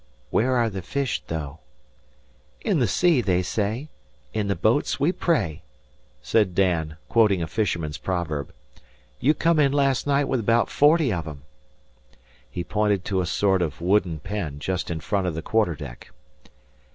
"Where are the fish, though?" "'In the sea they say, in the boats we pray,'" said Dan, quoting a fisherman's proverb. "You come in last night with 'baout forty of 'em." He pointed to a sort of wooden pen just in front of the quarter deck.